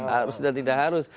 harus dan tidak harus